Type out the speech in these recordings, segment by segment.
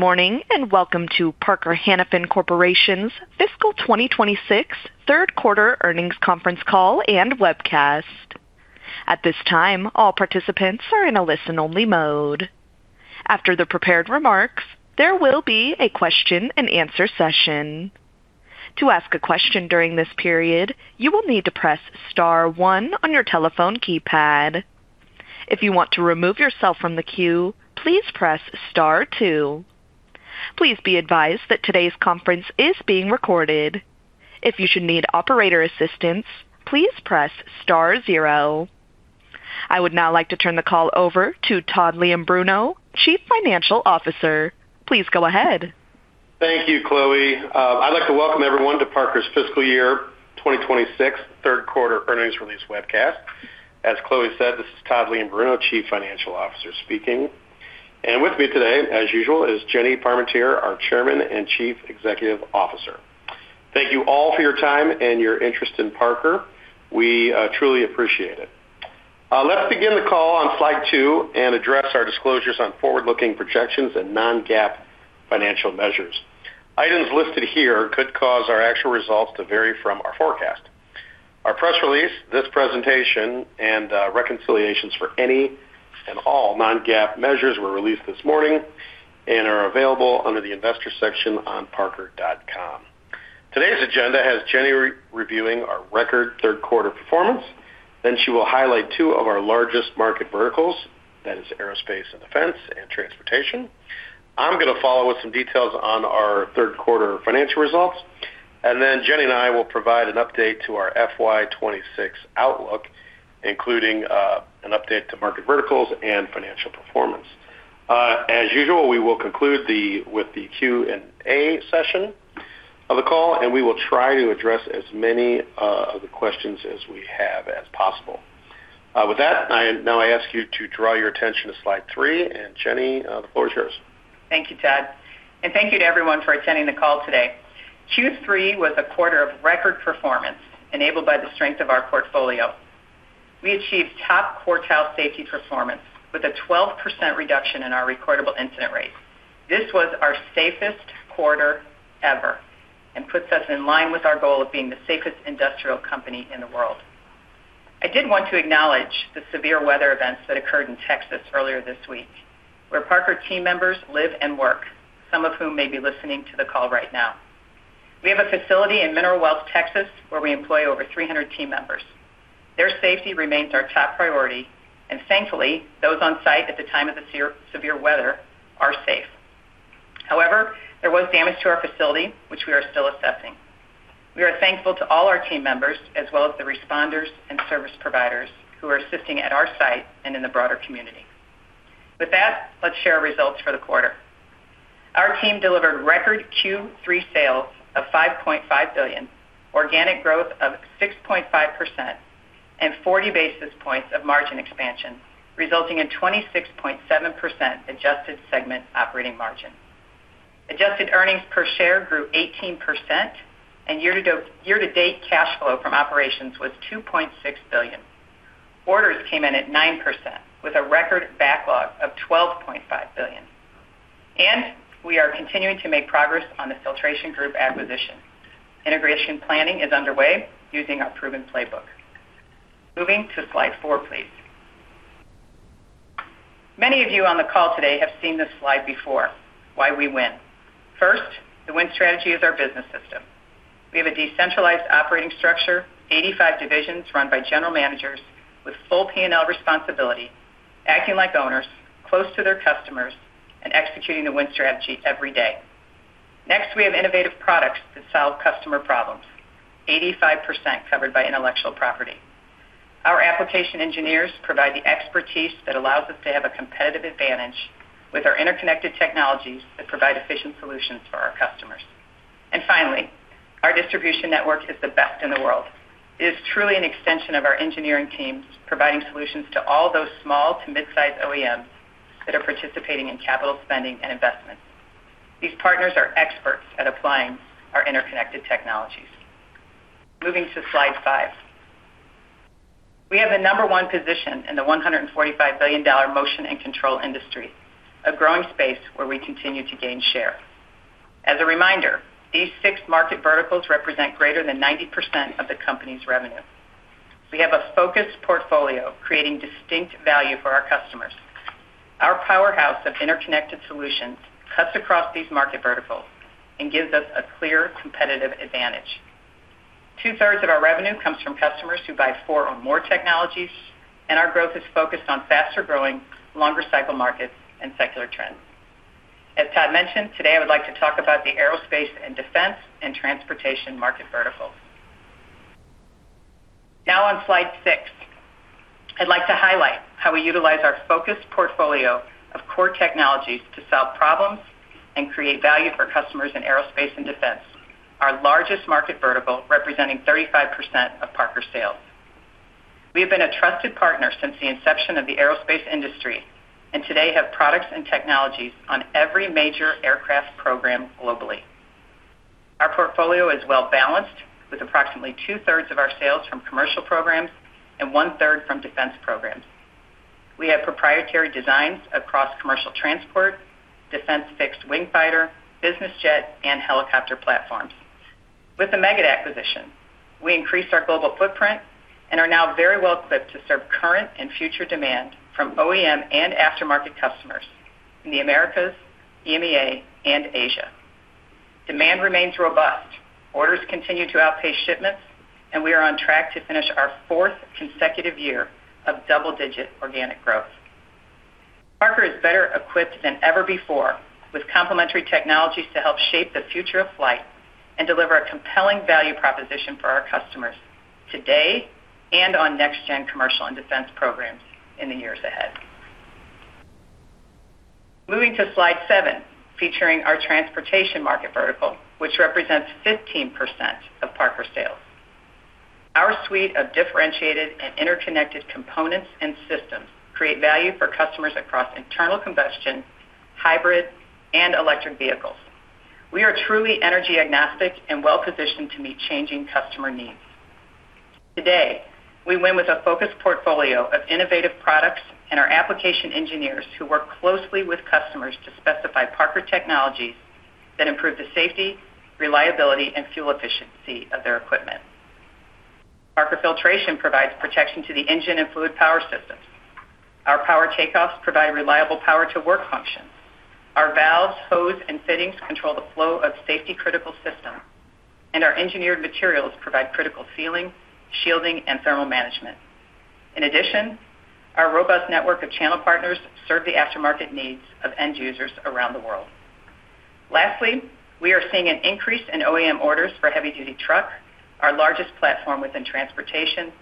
Good morning, and welcome to Parker-Hannifin Corporation's fiscal 2026 third quarter earnings conference call and webcast. At this time, all participants are in a listen-only mode. After the prepared remarks, there will be a question-and-answer session. To ask a question during this period, you will need to press star one on your telephone keypad. If you want to remove yourself from the queue, please press star two. Please be advised that today's conference is being recorded. If you should need operator assistance, please press star zero. I would now like to turn the call over to Todd Leombruno, Chief Financial Officer. Please go ahead. Thank you, Chloe. I'd like to welcome everyone to Parker's fiscal year 2026 third quarter earnings release webcast. As Chloe said, this is Todd Leombruno, Chief Financial Officer, speaking. With me today, as usual, is Jennifer Parmentier, our Chairman and Chief Executive Officer. Thank you all for your time and your interest in Parker. We truly appreciate it. Let's begin the call on slide two and address our disclosures on forward-looking projections and non-GAAP financial measures. Items listed here could cause our actual results to vary from our forecast. Our press release, this presentation, and reconciliations for any and all non-GAAP measures were released this morning and are available under the Investor section on parker.com. Today's agenda has Jenny re-reviewing our record third quarter performance, then she will highlight two of our largest market verticals, that is aerospace and defense and transportation. I'm gonna follow with some details on our third quarter financial results, and then Jenny and I will provide an update to our FY 2026 outlook, including an update to market verticals and financial performance. As usual, we will conclude with the Q&A session of the call, and we will try to address as many of the questions as we have as possible. With that, I now ask you to draw your attention to slide three. Jenny, the floor is yours. Thank you, Todd, and thank you to everyone for attending the call today. Q3 was a quarter of record performance enabled by the strength of our portfolio. We achieved top quartile safety performance with a 12% reduction in our recordable incident rate. This was our safest quarter ever and puts us in line with our goal of being the safest industrial company in the world. I did want to acknowledge the severe weather events that occurred in Texas earlier this week, where Parker team members live and work, some of whom may be listening to the call right now. We have a facility in Mineral Wells, Texas, where we employ over 300 team members. Their safety remains our top priority, and thankfully, those on-site at the time of the severe weather are safe. However, there was damage to our facility, which we are still assessing. We are thankful to all our team members, as well as the responders and service providers who are assisting at our site and in the broader community. With that, let's share results for the quarter. Our team delivered record Q3 sales of $5.5 billion, organic growth of 6.5% and 40 basis points of margin expansion, resulting in 26.7% adjusted segment operating margin. Adjusted earnings per share grew 18%, year-to-date cash flow from operations was $2.6 billion. Orders came in at 9% with a record backlog of $12.5 billion. We are continuing to make progress on the Filtration Group acquisition. Integration planning is underway using our proven playbook. Moving to slide four, please. Many of you on the call today have seen this slide before. Why We Win. First, The Win Strategy is our business system. We have a decentralized operating structure, 85 divisions run by general managers with full P&L responsibility, acting like owners, close to their customers, and executing The Win Strategy every day. Next, we have innovative products that solve customer problems, 85% covered by intellectual property. Our application engineers provide the expertise that allows us to have a competitive advantage with our interconnected technologies that provide efficient solutions for our customers. Finally, our distribution network is the best in the world. It is truly an extension of our engineering teams, providing solutions to all those small to midsize OEMs that are participating in capital spending and investment. These partners are experts at applying our interconnected technologies. Moving to slide five. We have the number one position in the $145 billion motion and control industry, a growing space where we continue to gain share. As a reminder, these six market verticals represent greater than 90% of the company's revenue. We have a focused portfolio creating distinct value for our customers. Our powerhouse of interconnected solutions cuts across these market verticals and gives us a clear competitive advantage. 2/3 of our revenue comes from customers who buy four or more technologies, and our growth is focused on faster-growing, longer-cycle markets and secular trends. As Todd mentioned, today I would like to talk about the aerospace and defense and transportation market verticals. Now on slide six, I'd like to highlight how we utilize our focused portfolio of core technologies to solve problems and create value for customers in aerospace and defense, our largest market vertical, representing 35% of Parker sales. We have been a trusted partner since the inception of the aerospace industry and today have products and technologies on every major aircraft program globally. Our portfolio is well balanced with approximately 2/3 of our sales from commercial programs and 1/3 from defense programs. We have proprietary designs across commercial transport, defense fixed wing fighter, business jet, and helicopter platforms. With the Meggitt acquisition, we increased our global footprint and are now very well equipped to serve current and future demand from OEM and aftermarket customers in the Americas, EMEA, and Asia. Demand remains robust. Orders continue to outpace shipments, and we are on track to finish our fourth consecutive year of double-digit organic growth. Parker is better equipped than ever before with complementary technologies to help shape the future of flight and deliver a compelling value proposition for our customers today and on next gen commercial and defense programs in the years ahead. Moving to slide 7, featuring our transportation market vertical, which represents 15% of Parker sales. Our suite of differentiated and interconnected components and systems create value for customers across internal combustion, hybrid, and electric vehicles. We are truly energy agnostic and well-positioned to meet changing customer needs. Today, we win with a focused portfolio of innovative products and our application engineers who work closely with customers to specify Parker technologies that improve the safety, reliability, and fuel efficiency of their equipment. Parker Filtration provides protection to the engine and fluid power systems. Our power takeoffs provide reliable power to work functions. Our valves, hose, and fittings control the flow of safety-critical systems, and our engineered materials provide critical sealing, shielding, and thermal management. In addition, our robust network of channel partners serve the aftermarket needs of end users around the world. Lastly, we are seeing an increase in OEM orders for heavy-duty truck, our largest platform within transportation,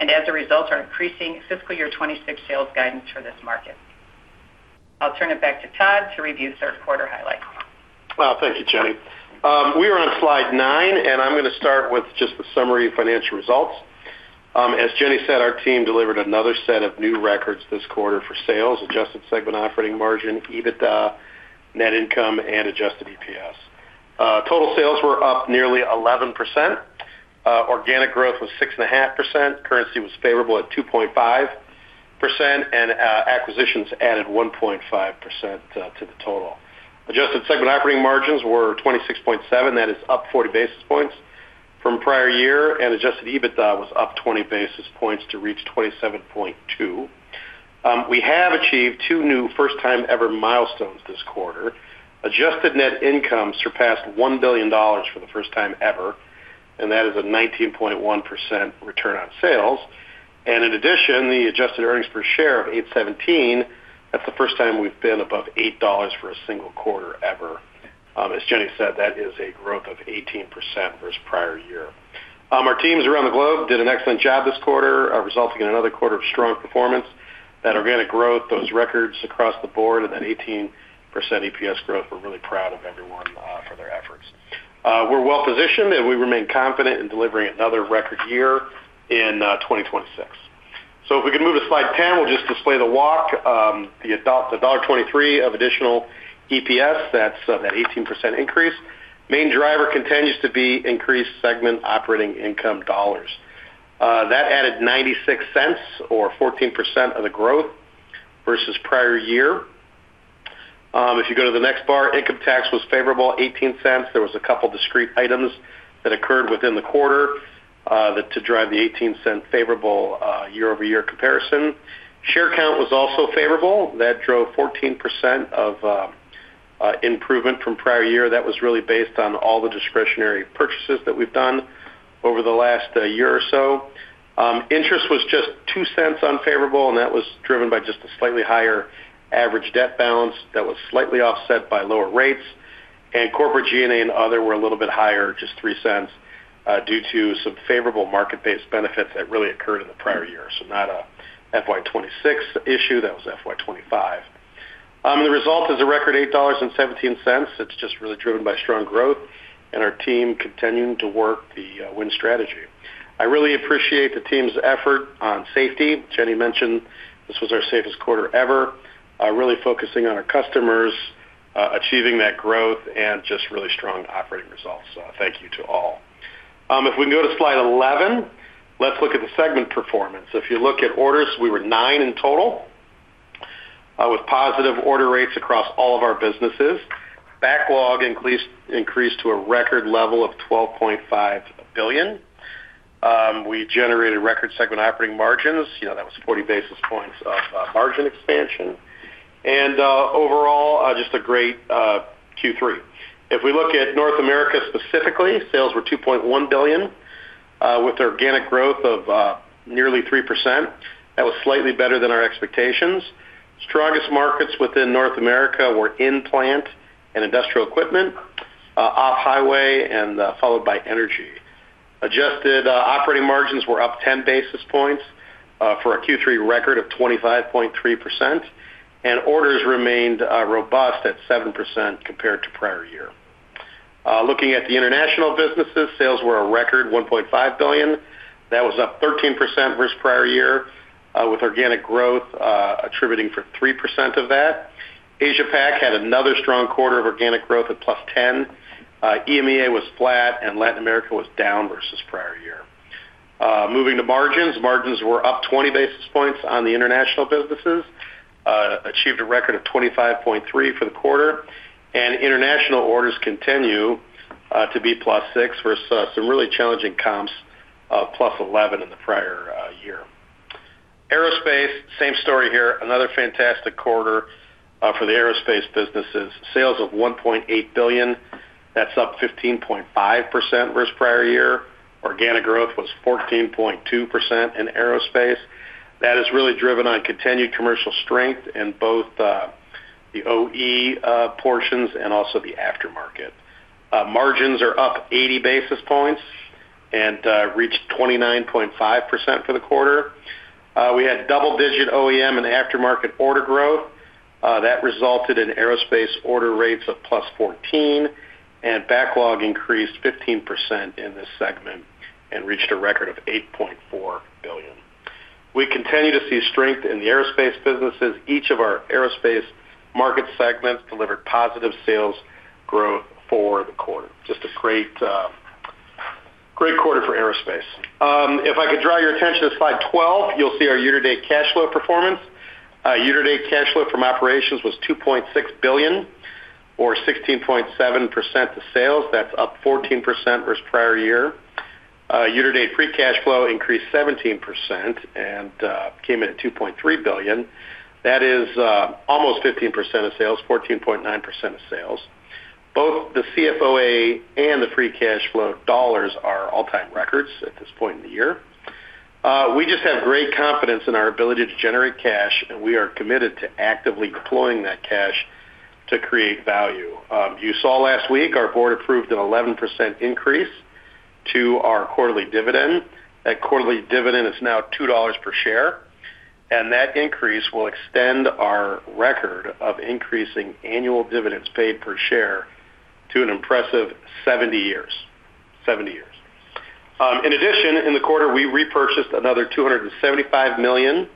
and as a result, are increasing fiscal year 2026 sales guidance for this market. I'll turn it back to Todd to review third quarter highlights. Well, thank you, Jenny. We are on slide nine, and I'm going to start with just the summary financial results. As Jenny said, our team delivered another set of new records this quarter for sales, adjusted segment operating margin, EBITDA, net income, and adjusted EPS. Total sales were up nearly 11%. Organic growth was 6.5%. Currency was favorable at 2.5%, and acquisitions added 1.5% to the total. Adjusted segment operating margins were 26.7%. That is up 40 basis points from prior year, and adjusted EBITDA was up 20 basis points to reach 27.2%. We have achieved two new first-time ever milestones this quarter. Adjusted net income surpassed $1 billion for the first time ever, and that is a 19.1% return on sales. In addition, the adjusted earnings per share of $8.17, that's the first time we've been above $8 for a single quarter ever. As Jenny said, that is a growth of 18% versus prior year. Our teams around the globe did an excellent job this quarter, resulting in another quarter of strong performance. That organic growth, those records across the board and that 18% EPS growth, we're really proud of everyone for their efforts. We're well positioned, and we remain confident in delivering another record year in 2026. If we can move to slide 10, we'll just display the walk. The $1.23 of additional EPS, that's that 18% increase. Main driver continues to be increased segment operating income dollars. That added $0.96 or 14% of the growth versus prior year. If you go to the next bar, income tax was favorable, $0.18. There was a couple discrete items that occurred within the quarter that to drive the $0.18 favorable year-over-year comparison. Share count was also favorable. That drove 14% of improvement from prior year. That was really based on all the discretionary purchases that we've done over the last year or so. Interest was just $0.02 unfavorable, and that was driven by just a slightly higher average debt balance that was slightly offset by lower rates. Corporate G&A and other were a little bit higher, just $0.03 due to some favorable market-based benefits that really occurred in the prior year. So not a FY 2026 issue. That was FY 2025. The result is a record $8.17. It's just really driven by strong growth and our team continuing to work The Win Strategy. I really appreciate the team's effort on safety. Jenny mentioned this was our safest quarter ever, really focusing on our customers, achieving that growth and just really strong operating results. Thank you to all. If we can go to slide 11, let's look at the segment performance. If you look at orders, we were nine in total, with positive order rates across all of our businesses. Backlog increased to a record level of $12.5 billion. We generated record segment operating margins. You know, that was 40 basis points of margin expansion. Overall, just a great Q3. If we look at North America specifically, sales were $2.1 billion, with organic growth of nearly 3%. That was slightly better than our expectations. Strongest markets within North America were in-plant and industrial equipment, off-highway and, followed by energy. Adjusted operating margins were up 10 basis points, for a Q3 record of 25.3%, and orders remained robust at 7% compared to prior year. Looking at the international businesses, sales were a record $1.5 billion. That was up 13% versus prior year, with organic growth attributing for 3% of that. Asia Pac had another strong quarter of organic growth at +10%. EMEA was flat, and Latin America was down versus prior year. Moving to margins. Margins were up 20 basis points on the international businesses, achieved a record of 25.3% for the quarter, and international orders continue to be +6% versus some really challenging comps of +11% in the prior year. Aerospace, same story here. Another fantastic quarter for the aerospace businesses. Sales of $1.8 billion, that's up 15.5% versus prior year. Organic growth was 14.2% in aerospace. That is really driven on continued commercial strength in both the OEM portions and also the aftermarket. Margins are up 80 basis points and reached 29.5% for the quarter. We had double-digit OEM and aftermarket order growth that resulted in aerospace order rates of +14%, and backlog increased 15% in this segment and reached a record of $8.4 billion. We continue to see strength in the aerospace businesses. Each of our aerospace market segments delivered positive sales growth for the quarter. Just a great quarter for aerospace. If I could draw your attention to slide 12, you'll see our year-to-date cash flow performance. Year-to-date cash flow from operations was $2.6 billion or 16.7% to sales. That's up 14% versus prior year. Year-to-date free cash flow increased 17% and came in at $2.3 billion. That is almost 15% of sales, 14.9% of sales. Both the CFOA and the free cash flow dollars are all-time records at this point in the year. We just have great confidence in our ability to generate cash, and we are committed to actively deploying that cash to create value. You saw last week our board approved an 11% increase to our quarterly dividend. That quarterly dividend is now $2 per share, that increase will extend our record of increasing annual dividends paid per share to an impressive 70 years. 70 years. In addition, in the quarter, we repurchased another $275 million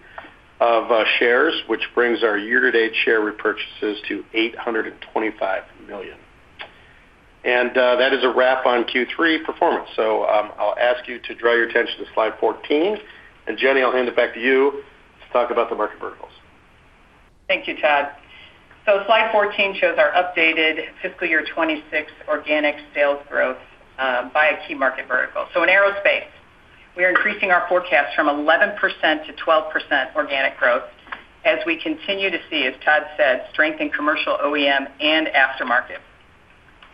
of shares, which brings our year-to-date share repurchases to $825 million. That is a wrap on Q3 performance. I'll ask you to draw your attention to slide 14. Jenny, I'll hand it back to you to talk about the market verticals. Thank you, Todd. Slide 14 shows our updated fiscal year 2026 organic sales growth by a key market vertical. In aerospace, we are increasing our forecast from 11% to 12% organic growth as we continue to see, as Todd said, strength in commercial OEM and aftermarket.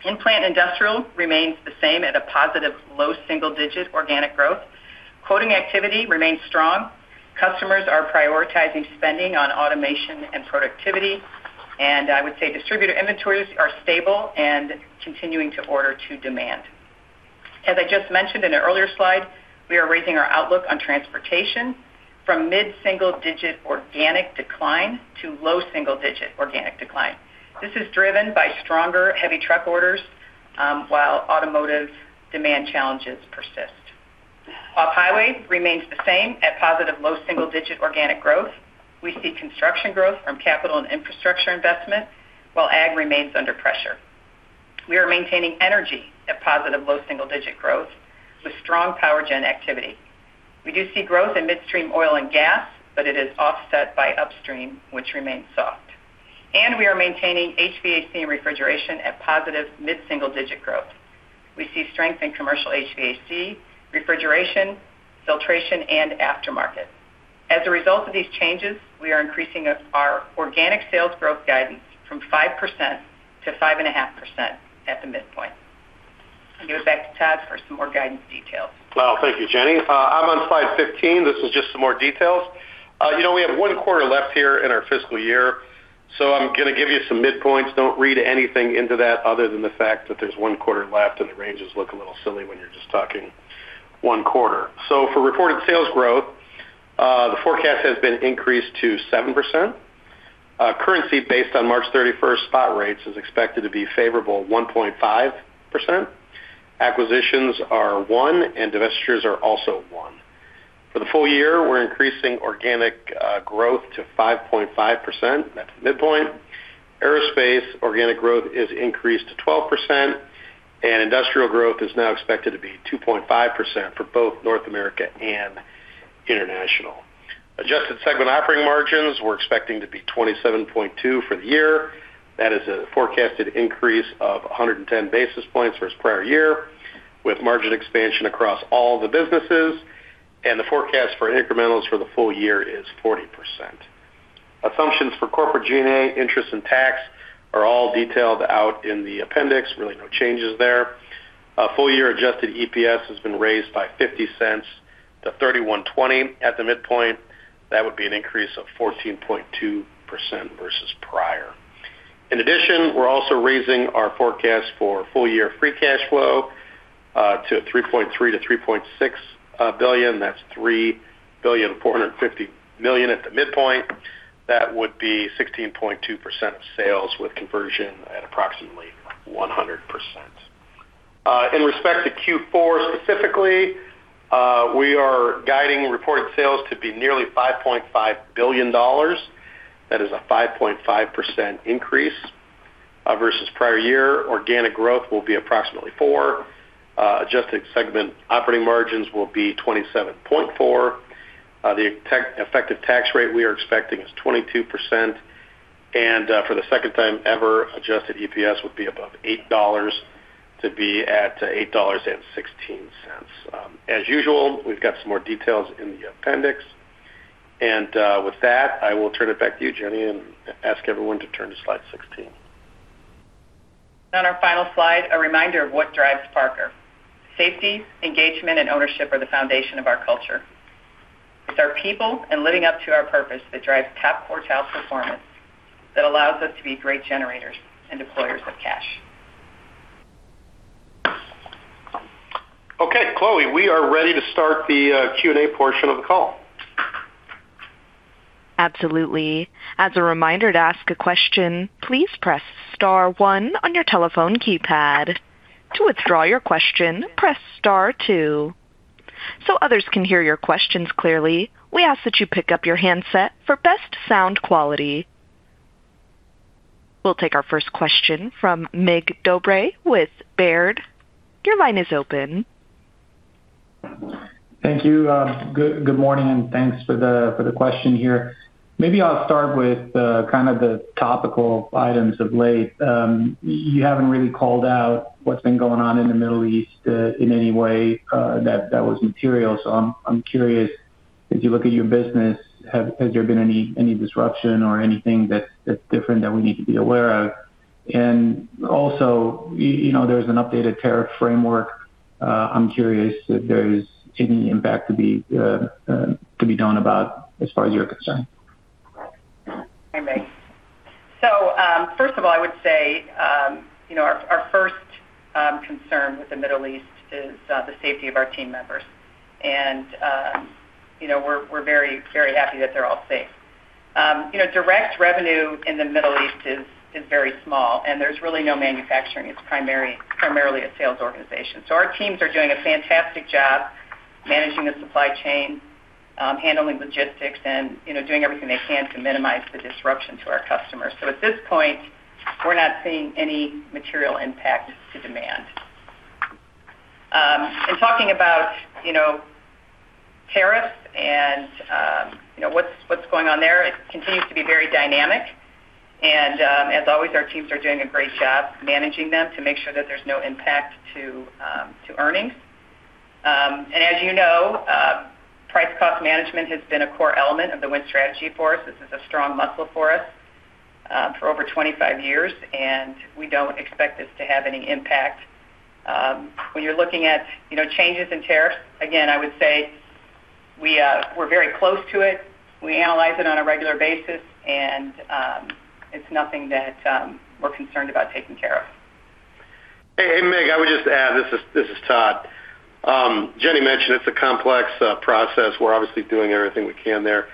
In-plant industrial remains the same at a positive low single-digit organic growth. Quoting activity remains strong. Customers are prioritizing spending on automation and productivity, and I would say distributor inventories are stable and continuing to order to demand. As I just mentioned in an earlier slide, we are raising our outlook on transportation from mid-single-digit organic decline to low single-digit organic decline. This is driven by stronger heavy truck orders while automotive demand challenges persist. Off-highway remains the same at positive low single-digit organic growth. We see construction growth from capital and infrastructure investment while ag remains under pressure. We are maintaining energy at positive low single-digit growth with strong power gen activity. We do see growth in midstream oil and gas, but it is offset by upstream, which remains soft. We are maintaining HVAC and refrigeration at positive mid-single-digit growth. We see strength in commercial HVAC, refrigeration, filtration, and aftermarket. As a result of these changes, we are increasing our organic sales growth guidance from 5% to 5.5% at the midpoint. I'll give it back to Todd for some more guidance details. Thank you, Jenny. I'm on slide 15. This is just some more details. You know, we have one quarter left here in our fiscal year, so I'm gonna give you some midpoints. Don't read anything into that other than the fact that there's one quarter left, and the ranges look a little silly when you're just talking one quarter. For reported sales growth, the forecast has been increased to 7%. Currency based on March 31st spot rates is expected to be favorable at 1.5%. Acquisitions are one, and divestitures are also 1one. For the full year, we're increasing organic growth to 5.5%. That's midpoint. Aerospace organic growth is increased to 12%, and industrial growth is now expected to be 2.5% for both North America and international. Adjusted segment operating margins, we are expecting to be 27.2 for the year. That is a forecasted increase of 110 basis points versus prior year with margin expansion across all the businesses. The forecast for incrementals for the full year is 40%. Assumptions for corporate G&A, interest and tax are all detailed out in the appendix. Really no changes there. Full year adjusted EPS has been raised by $0.50-$31.20 at the midpoint. That would be an increase of 14.2% versus prior. In addition, we are also raising our forecast for full year free cash flow to $3.3 billion-$3.6 billion. That is $3.45 billion at the midpoint. That would be 16.2% of sales with conversion at approximately 100%. In respect to Q4 specifically. Be nearly $5.5 billion. That is a 5.5% increase versus prior year. Organic growth will be approximately 4%. Adjusted segment operating margins will be 27.4%. The effective tax rate we are expecting is 22%. For the second time ever, adjusted EPS would be above $8 to be at $8.16. As usual, we've got some more details in the appendix. With that, I will turn it back to you, Jennifer Parmentier, and ask everyone to turn to slide 16. On our final slide, a reminder of what drives Parker. Safety, engagement, and ownership are the foundation of our culture. It's our people and living up to our purpose that drives top quartile performance that allows us to be great generators and deployers of cash. Okay, Chloe, we are ready to start the Q&A portion of the call. Absolutely. As a reminder to ask a question, please press star one on your telephone keypad. To withdraw your question, press star two. Others can hear your questions clearly, we ask that you pick up your handset for best sound quality. We'll take our first question from Mig Dobre with Baird. Your line is open. Thank you, good morning, and thanks for the question here. Maybe I'll start with kind of the topical items of late. You haven't really called out what's been going on in the Middle East in any way that was material. I'm curious, as you look at your business, has there been any disruption or anything that's different that we need to be aware of? Also, you know, there's an updated tariff framework. I'm curious if there's any impact to be done about as far as you're concerned. Hi, Mig. First of all, I would say our first concern with the Middle East is the safety of our team members. We're very, very happy that they're all safe. Direct revenue in the Middle East is very small, and there's really no manufacturing. It's primarily a sales organization. Our teams are doing a fantastic job managing the supply chain, handling logistics, and doing everything they can to minimize the disruption to our customers. At this point, we're not seeing any material impact to demand. Talking about tariffs and what's going on there, it continues to be very dynamic. As always, our teams are doing a great job managing them to make sure that there's no impact to earnings. As you know, price-cost management has been a core element of The Win Strategy for us. This is a strong muscle for us, for over 25 years, and we don't expect this to have any impact. When you're looking at, you know, changes in tariffs, again, I would say we're very close to it. We analyze it on a regular basis, and it's nothing that we're concerned about taking care of. Hey, Mig, I would just add, this is Todd. Jenny mentioned it's a complex process. We're obviously doing everything we can there.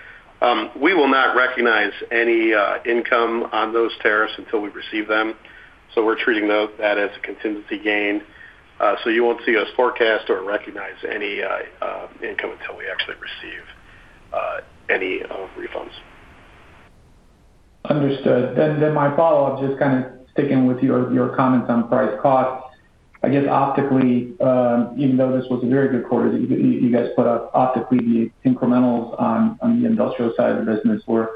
We will not recognize any income on those tariffs until we receive them, so we're treating that as a contingency gain. You won't see us forecast or recognize any income until we actually receive any refunds. Understood. My follow-up, just kind of sticking with your comments on price-cost, I guess optically, even though this was a very good quarter that you guys put up, optically the incrementals on the industrial side of the business were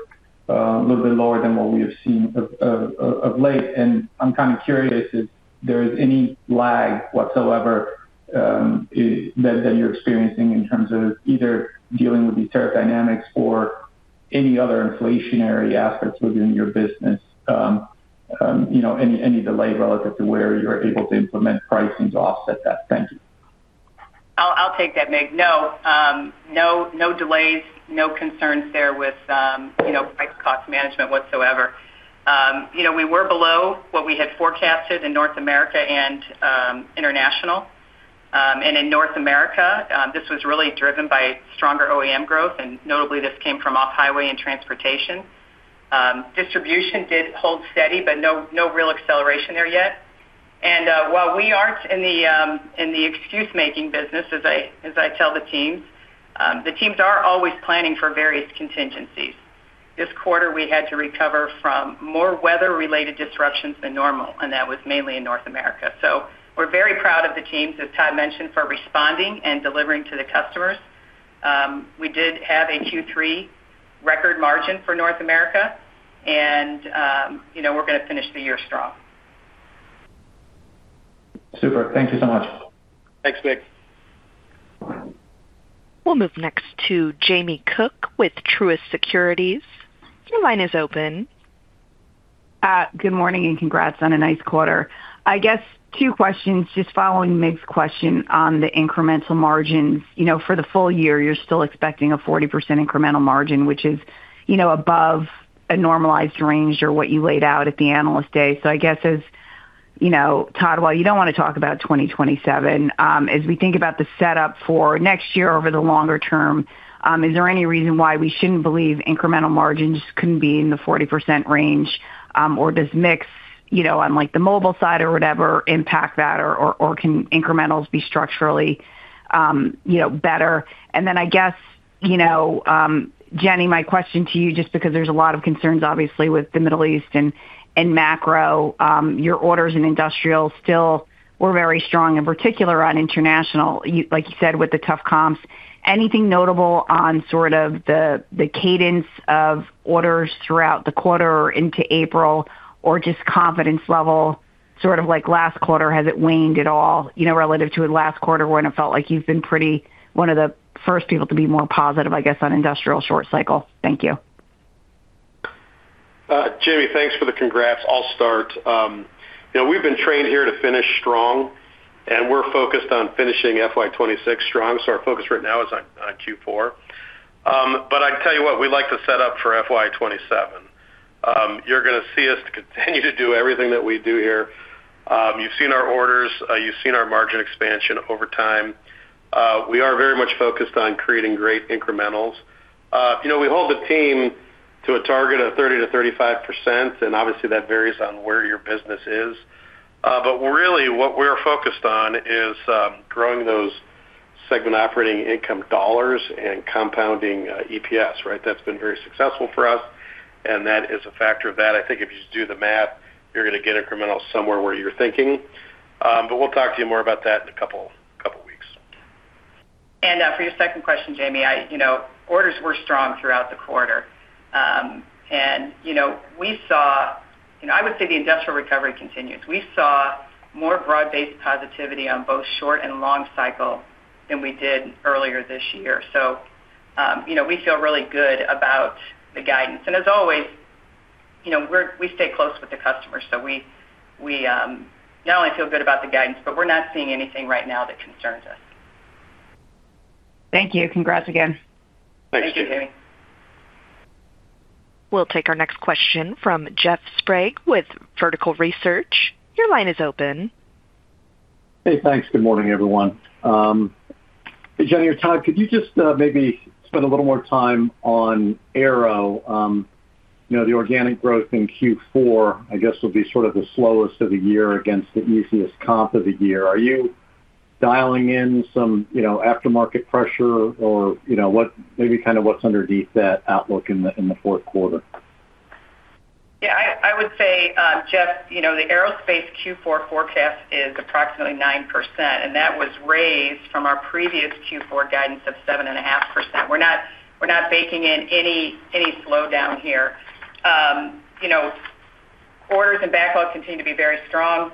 a little bit lower than what we have seen of late. I'm kind of curious if there is any lag whatsoever that you're experiencing in terms of either dealing with these tariff dynamics or any other inflationary aspects within your business, you know, any delay relative to where you're able to implement pricing to offset that. Thank you. I'll take that, Mig. No. No delays, no concerns there with, you know, price-cost management whatsoever. You know, we were below what we had forecasted in North America and international. In North America, this was really driven by stronger OEM growth, and notably this came from off-highway and transportation. Distribution did hold steady, but no real acceleration there yet. While we aren't in the excuse-making business, as I tell the teams, the teams are always planning for various contingencies. This quarter, we had to recover from more weather-related disruptions than normal, and that was mainly in North America. We're very proud of the teams, as Todd mentioned, for responding and delivering to the customers. We did have a Q3 record margin for North America and, you know, we're gonna finish the year strong. Super. Thank you so much. Thanks, Mig. We'll move next to Jamie Cook with Truist Securities. Your line is open. Good morning and congrats on a nice quarter. I guess two questions, just following Mig's question on the incremental margins. You know, for the full year, you're still expecting a 40% incremental margin, which is, you know, above a normalized range or what you laid out at the Analyst Day. I guess as, you know, Todd, while you don't wanna talk about 2027, as we think about the setup for next year over the longer term, is there any reason why we shouldn't believe incremental margins couldn't be in the 40% range, or does mix, you know, on like the mobile side or whatever impact that, or can incrementals be structurally, you know, better? I guess, you know, Jenny, my question to you, just because there's a lot of concerns obviously with the Middle East and macro, your orders in industrial still were very strong, in particular on international. Like you said, with the tough comps. Anything notable on sort of the cadence of orders throughout the quarter or into April, or just confidence level, sort of like last quarter? Has it waned at all, you know, relative to last quarter when it felt like you've been pretty one of the first people to be more positive, I guess, on industrial short cycle? Thank you. Jamie, thanks for the congrats. I'll start. You know, we've been trained here to finish strong, and we're focused on finishing FY 2026 strong, so our focus right now is on Q4. I tell you what, we like to set up for FY 2027. You're gonna see us continue to do everything that we do here. You've seen our orders, you've seen our margin expansion over time. We are very much focused on creating great incrementals. You know, we hold the team to a target of 30%-35%, and obviously, that varies on where your business is. Really, what we're focused on is growing those segment operating income dollars and compounding EPS, right? That's been very successful for us, and that is a factor of that. I think if you do the math, you're gonna get incremental somewhere where you're thinking, but we'll talk to you more about that in a couple weeks. For your second question, Jamie, you know, orders were strong throughout the quarter. You know, we saw, you know, I would say the industrial recovery continues. We saw more broad-based positivity on both short and long cycle than we did earlier this year. You know, we feel really good about the guidance. As always, you know, we stay close with the customers, so we, not only feel good about the guidance, but we're not seeing anything right now that concerns us. Thank you. Congrats again. Thanks, Jamie. Thank you. We'll take our next question from Jeffrey Sprague with Vertical Research. Your line is open. Hey, thanks. Good morning, everyone. Jenny or Todd, could you just maybe spend a little more time on aero? You know, the organic growth in Q4, I guess, will be sort of the slowest of the year against the easiest comp of the year. Are you dialing in some, you know, aftermarket pressure or, you know, maybe kind of what's underneath that outlook in the fourth quarter? I would say, Jeffrey Sprague, you know, the aerospace Q4 forecast is approximately 9%, and that was raised from our previous Q4 guidance of 7.5%. We're not baking in any slowdown here. You know, orders and backlogs continue to be very strong.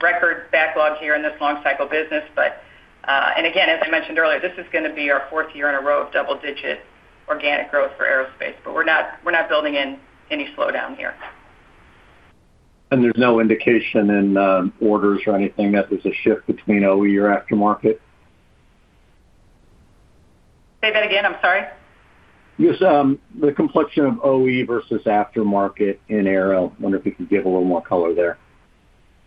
Record backlog here in this long cycle business. Again, as I mentioned earlier, this is gonna be our fourth year in a row of double-digit organic growth for aerospace, but we're not building in any slowdown here. There's no indication in orders or anything that there's a shift between OE or aftermarket? Say that again. I'm sorry. Yes, the complexion of OE versus aftermarket in aero. I wonder if you could give a little more color there?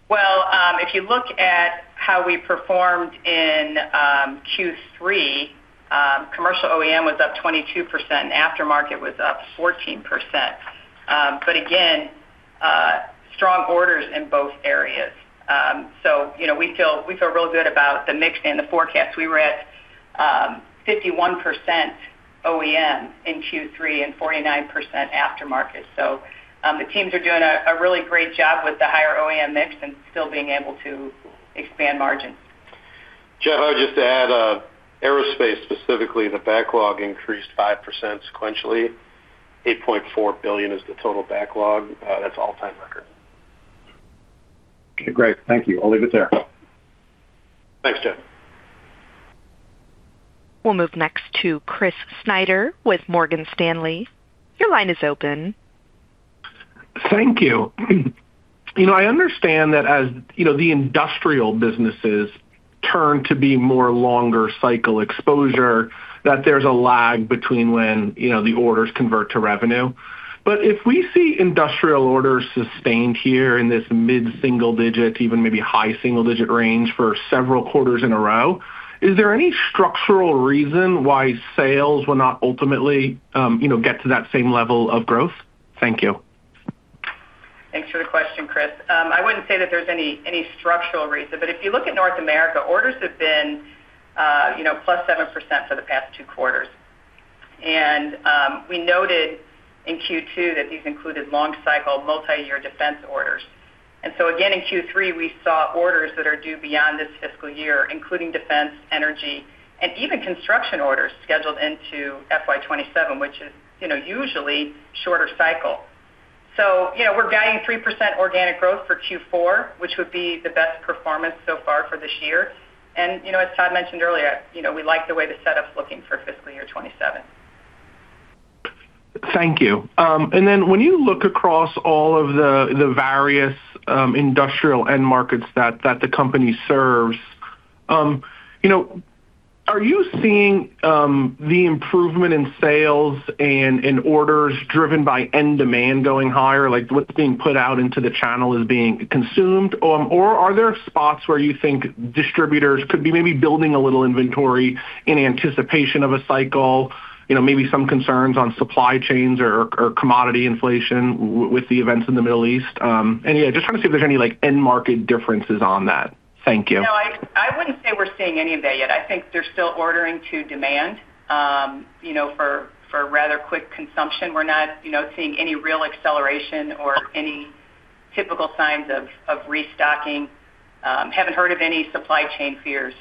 Well, if you look at how we performed in Q3, commercial OEM was up 22%, and aftermarket was up 14%. Again, strong orders in both areas. You know, we feel real good about the mix and the forecast. We were at 51% OEM in Q3 and 49% aftermarket. The teams are doing a really great job with the higher OEM mix and still being able to expand margins. Jeff, I would just add, aerospace specifically, the backlog increased 5% sequentially. $8.4 billion is the total backlog. That's all-time record. Okay, great. Thank you. I'll leave it there. Thanks, Jeff. We'll move next to Chris Snyder with Morgan Stanley. Your line is open. Thank you. You know, I understand that as, you know, the industrial businesses turn to be more longer cycle exposure, that there's a lag between when, you know, the orders convert to revenue. If we see industrial orders sustained here in this mid-single digit, even maybe high single-digit range for several quarters in a row, is there any structural reason why sales will not ultimately, you know, get to that same level of growth? Thank you. Thanks for the question, Chris. I wouldn't say that there's any structural reason. If you look at North America, orders have been, you know, +7% for the past two quarters. We noted in Q2 that these included long cycle multi-year defense orders. Again, in Q3, we saw orders that are due beyond this fiscal year, including defense, energy, and even construction orders scheduled into FY 2027, which is, you know, usually shorter cycle. You know, we're guiding 3% organic growth for Q4, which would be the best performance so far for this year. You know, as Todd mentioned earlier, you know, we like the way the setup's looking for fiscal year 2027. Thank you. When you look across all of the various industrial end markets that the company serves, you know, are you seeing the improvement in sales and in orders driven by end demand going higher? Like, what's being put out into the channel is being consumed? Are there spots where you think distributors could be maybe building a little inventory in anticipation of a cycle? You know, maybe some concerns on supply chains or commodity inflation with the events in the Middle East. Yeah, just trying to see if there's any, like, end market differences on that. Thank you. No, I wouldn't say we're seeing any of that yet. I think they're still ordering to demand, you know, for rather quick consumption. We're not, you know, seeing any real acceleration or any typical signs of restocking. Haven't heard of any supply chain fears,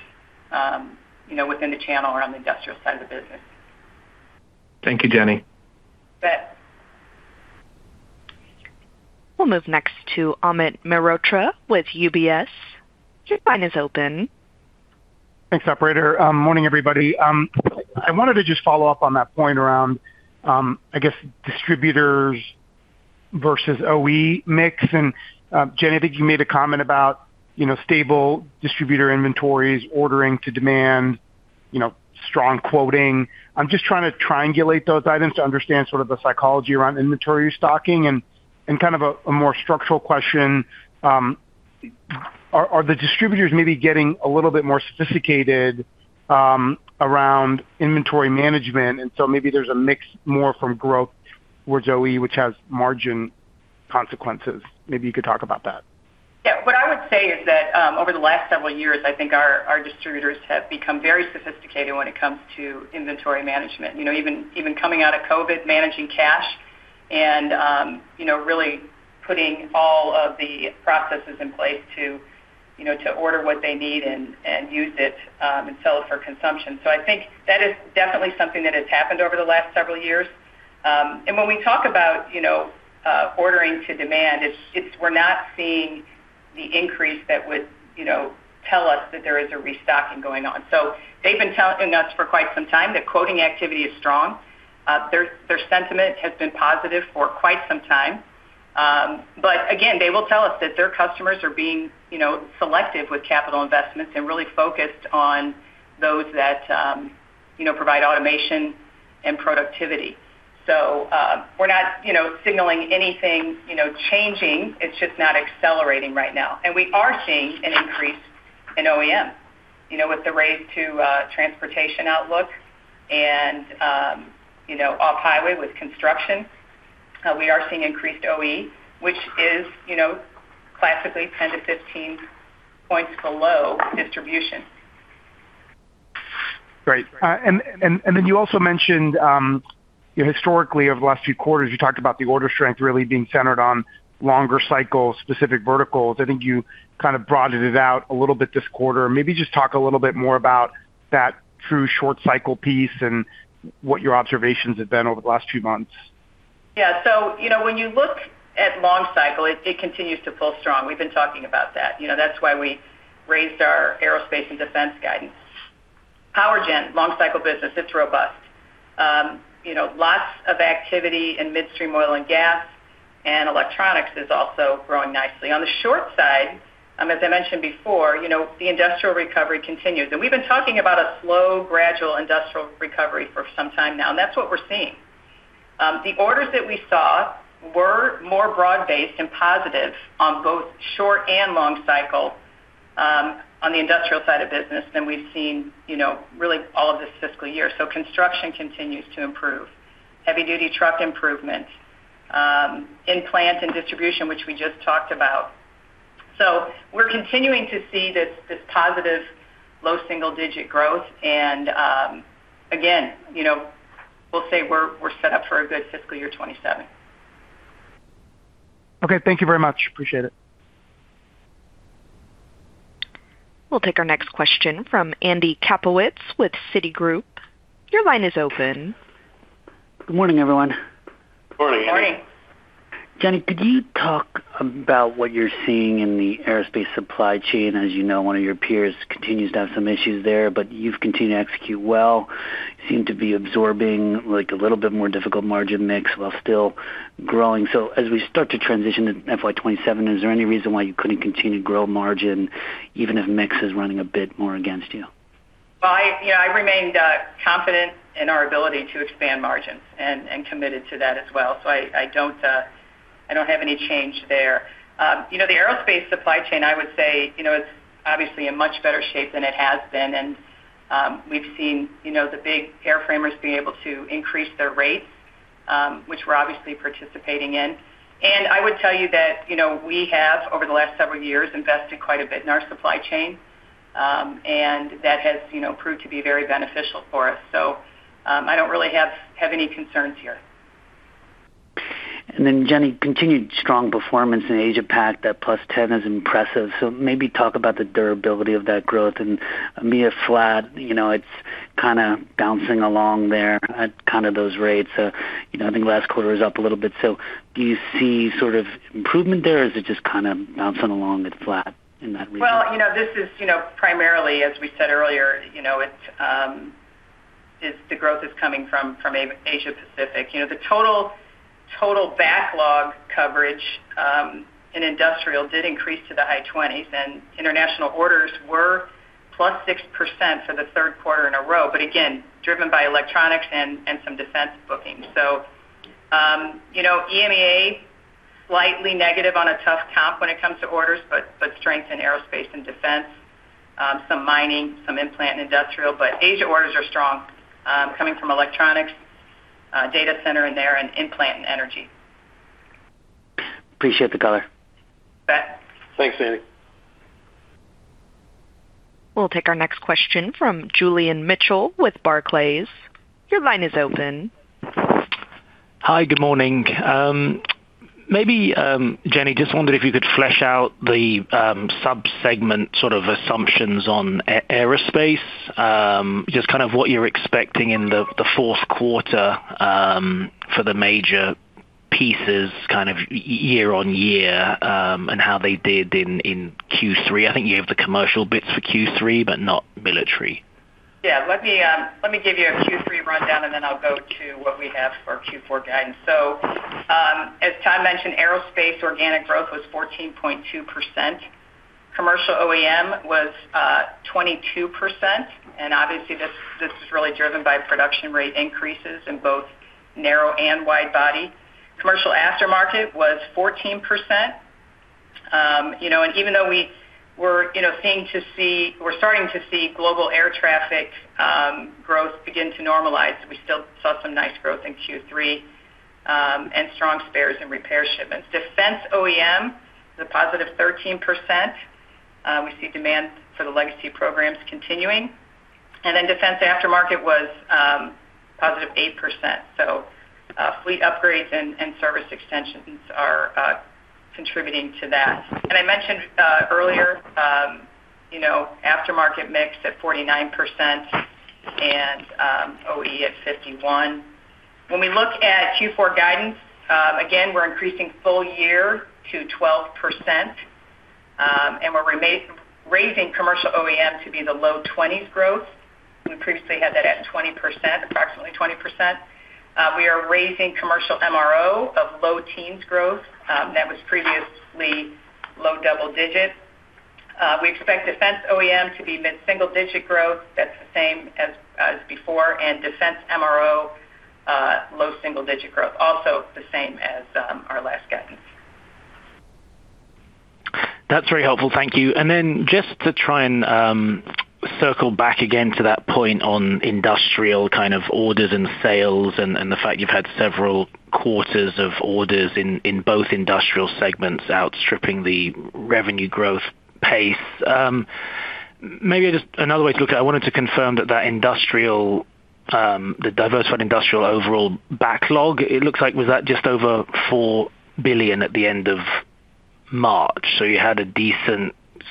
you know, within the channel around the industrial side of the business. Thank you, Jenny. You bet. We'll move next to Amit Mehrotra with UBS. Your line is open. Thanks, operator. Morning, everybody. I wanted to just follow up on that point around, I guess distributors versus OE mix. Jenny, I think you made a comment about, you know, stable distributor inventories ordering to demand, you know, strong quoting. I'm just trying to triangulate those items to understand sort of the psychology around inventory stocking and kind of a more structural question. Are the distributors maybe getting a little bit more sophisticated around inventory management? Maybe there's a mix more from growth towards OE, which has margin consequences. Maybe you could talk about that. Yeah. What I would say is that, over the last several years, I think our distributors have become very sophisticated when it comes to inventory management. You know, even coming out of COVID, managing cash and, you know, really putting all of the processes in place to, you know, to order what they need and use it, and sell it for consumption. I think that is definitely something that has happened over the last several years. When we talk about, you know, ordering to demand, it's we're not seeing the increase that would, you know, tell us that there is a restocking going on. They've been telling us for quite some time that quoting activity is strong. Their, their sentiment has been positive for quite some time. Again, they will tell us that their customers are being, you know, selective with capital investments and really focused on those that, you know, provide automation and productivity. We're not, you know, signaling anything, you know, changing. It's just not accelerating right now. We are seeing an increase in OEM. You know, with the raise to transportation outlook and, you know, off-highway with construction, we are seeing increased OE, which is, you know, classically 10 points-15 points below distribution. Great. You also mentioned, you know, historically over the last few quarters, you talked about the order strength really being centered on longer cycles, specific verticals. I think you kind of broadened it out a little bit this quarter. Maybe just talk a little bit more about that true short cycle piece and what your observations have been over the last few months. Yeah. You know, when you look at long cycle, it continues to pull strong. We've been talking about that. You know, that's why we raised our aerospace and defense guidance. Power gen, long cycle business, it's robust. You know, lots of activity in midstream oil and gas, and electronics is also growing nicely. On the short side, as I mentioned before, you know, the industrial recovery continues. We've been talking about a slow gradual industrial recovery for some time now, and that's what we're seeing. The orders that we saw were more broad-based and positive on both short and long cycle, on the industrial side of business than we've seen, you know, really all of this fiscal year. Construction continues to improve. Heavy-duty truck improvements. In-plant and distribution, which we just talked about. We're continuing to see this positive low single-digit growth. Again, you know, we'll say we're set up for a good fiscal year 2027. Okay. Thank you very much. Appreciate it. We'll take our next question from Andy Kaplowitz with Citigroup. Your line is open. Good morning, everyone. Morning. Morning. Jenny, could you talk about what you're seeing in the aerospace supply chain? As you know, one of your peers continues to have some issues there, but you've continued to execute well. Seem to be absorbing, like, a little bit more difficult margin mix while still growing. As we start to transition to FY 2027, is there any reason why you couldn't continue to grow margin even if mix is running a bit more against you? Well, I, you know, I remained confident in our ability to expand margins and committed to that as well. I don't have any change there. You know, the aerospace supply chain, I would say, you know, it's obviously in much better shape than it has been. We've seen, you know, the big airframers be able to increase their rates, which we're obviously participating in. I would tell you that, you know, we have over the last several years invested quite a bit in our supply chain. That has, you know, proved to be very beneficial for us. I don't really have any concerns here. Jenny, continued strong performance in Asia Pac, that +10% is impressive. Maybe talk about the durability of that growth. EMEA flat, you know, it's kinda bouncing along there at kind of those rates. You know, I think last quarter was up a little bit. Do you see sort of improvement there, or is it just kind of bouncing along at flat in that region? Well, you know, this is, you know, primarily, as we said earlier, you know, it's the growth is coming from Asia Pacific. You know, the total backlog coverage in industrial did increase to the high 20s, and international orders were +6% for the third quarter in a row. Again, driven by electronics and some defense bookings. You know, EMEA slightly negative on a tough comp when it comes to orders, but strength in aerospace and defense, some mining, some in-plant and industrial. Asia orders are strong, coming from electronics, data center in there and in-plant and energy. Appreciate the color. Thanks, Andy. We'll take our next question from Julian Mitchell with Barclays. Your line is open. Hi, good morning. Maybe, Jenny, just wondered if you could flesh out the sub-segment sort of assumptions on aerospace. Just kind of what you're expecting in the fourth quarter for the major pieces kind of year-on-year, and how they did in Q3. I think you have the commercial bits for Q3, but not military. Yeah, let me give you a Q3 rundown, and then I'll go to what we have for our Q4 guidance. As Todd mentioned, aerospace organic growth was 14.2%. Commercial OEM was 22%, and obviously this is really driven by production rate increases in both narrow and wide body. Commercial aftermarket was 14%. You know, and even though we were, you know, starting to see global air traffic growth begin to normalize, we still saw some nice growth in Q3, and strong spares and repair shipments. Defense OEM is a positive 13%. We see demand for the legacy programs continuing. Defense aftermarket was positive 8%. Fleet upgrades and service extensions are contributing to that. I mentioned earlier, you know, aftermarket mix at 49% and OE at 51. When we look at Q4 guidance, again, we're increasing full year to 12%, and we're raising commercial OEM to be the low-20s growth. We previously had that at 20%, approximately 20%. We are raising commercial MRO of low-teens growth, that was previously low-double-digit. We expect defense OEM to be mid-single-digit growth. That's the same as before. Defense MRO, low-single-digit growth, also the same as our last guidance. That's very helpful. Thank you. Just to try and circle back again to that point on industrial kind of orders and sales and the fact you've had several quarters of orders in both industrial segments outstripping the revenue growth pace. Maybe just another way to look at it. I wanted to confirm that industrial, the diversified industrial overall backlog, looks like was at just over $4 billion at the end of March, so you had a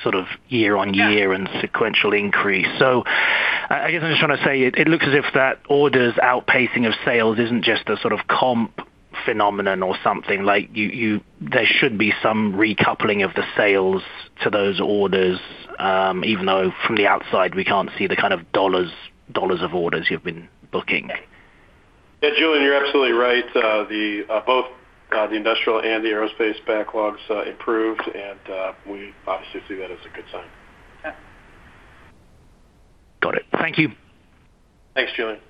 decent sort of year-over-year and sequential increase. I guess I'm just trying to say it looks as if that orders outpacing of sales isn't just a sort of comp phenomenon or something. Like you, there should be some recoupling of the sales to those orders, even though from the outside we can't see the kind of dollars of orders you've been booking. Yeah, Julian, you're absolutely right. The both the industrial and the aerospace backlogs improved, and we obviously see that as a good sign. Got it. Thank you. Thanks, Julian.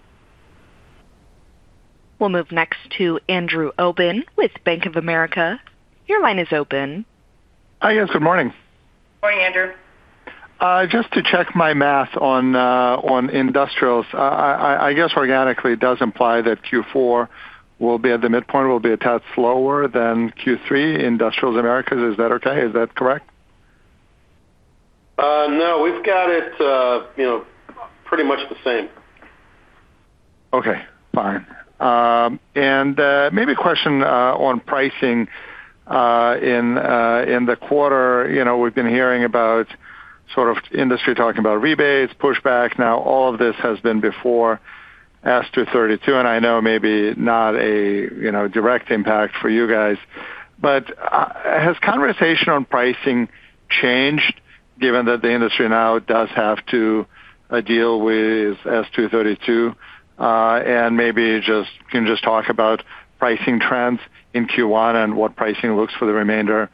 We'll move next to Andrew Obin with Bank of America. Your line is open. Hi, guys. Good morning. Morning, Andrew. Just to check my math on Industrials, I guess organically it does imply that Q4 will be at the midpoint, will be a tad slower than Q3 Industrials Americas. Is that okay? Is that correct? No, we've got it, you know, pretty much the same. Okay, fine. Maybe a question on pricing in the quarter. You know, we've been hearing about sort of industry talking about rebates, pushback. Now all of this has been before S 232, and I know maybe not a, you know, direct impact for you guys. Has conversation on pricing changed given that the industry now does have to deal with S 232? Can you just talk about pricing trends in Q1 and what pricing looks for the remainder,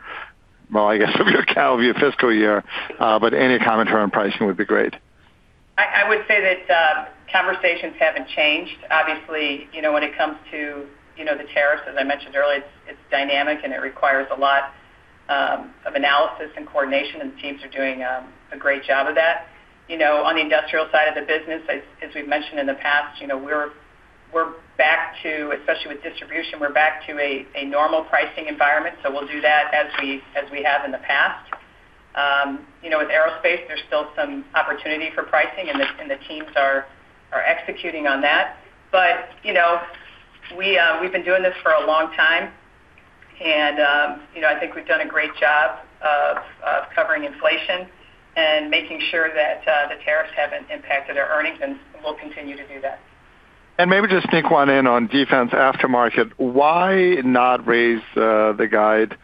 well, I guess it'll be a fiscal year. Any comment around pricing would be great. I would say that conversations haven't changed. Obviously, you know, when it comes to, you know, the tariffs, as I mentioned earlier, it's dynamic and it requires a lot of analysis and coordination, and the teams are doing a great job of that. You know, on the industrial side of the business, as we've mentioned in the past, you know, we're back to, especially with distribution, we're back to a normal pricing environment. We'll do that as we, as we have in the past. You know, with aerospace, there's still some opportunity for pricing, and the, and the teams are executing on that. You know, we've been doing this for a long time, and, you know, I think we've done a great job of covering inflation and making sure that the tariffs haven't impacted our earnings, and we'll continue to do that. Maybe just sneak one in on defense aftermarket. Why not raise the guide